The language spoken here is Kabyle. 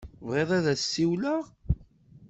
Tebɣiḍ ad as-ssiwleɣ?